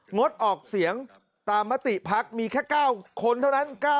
งดออกเสียงตามมติพักมีแค่๙คนเท่านั้น